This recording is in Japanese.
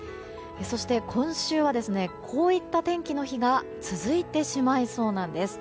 今週は、こういった天気の日が続いてしまいそうなんです。